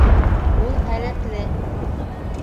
Ул һәләтле